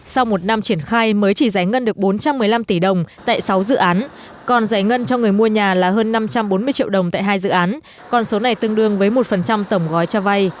sau một năm triển khai mới chỉ giải ngân được bốn trăm một mươi năm tỷ đồng tại sáu dự án còn giải ngân cho người mua nhà là hơn năm trăm bốn mươi triệu đồng tại hai dự án còn số này tương đương với một tổng gói cho vay